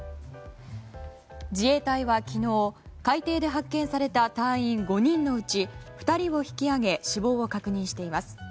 自衛隊は、昨日海底で発見された隊員５人のうち２人を引き揚げ死亡を確認しています。